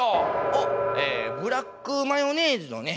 おっブラックマヨネーズのね